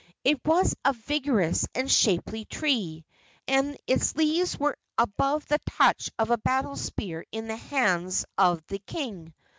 It was a vigorous and shapely tree, and its leaves were above the touch of a battle spear in the hands of the king.